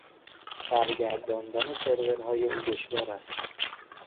برگرداندن سروهای او دشوار است.